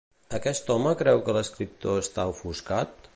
Aquest home creu que l'escriptor està ofuscat?